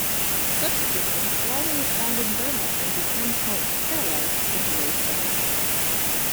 Subsequently, Wally is found in Burma and returns home, paralyzed from the waist down.